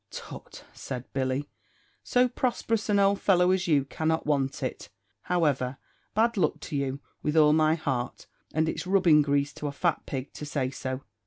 "Tut," said Billy, "so prosperous an old fellow as you cannot want it; however, bad luck to you, with all my heart! and it's rubbing grease to a fat pig to say so.